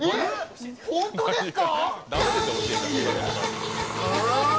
本当ですか？